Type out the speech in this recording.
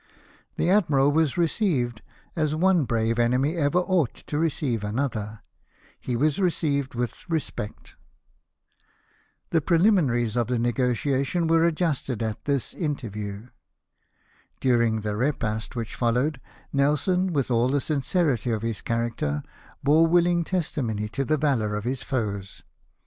The Admiral was received as one brave enemy ever ought to receive another — he was received with respect." The prehminaries of the negotiation were adjusted at this interview. During the repast which followed, Nelson, with all the sincerity of his character, bore willing testimony to the valour of his foes.